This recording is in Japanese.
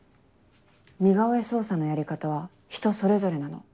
似顔絵捜査のやり方は人それぞれなの。